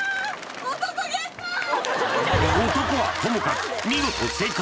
男はともかく見事正解！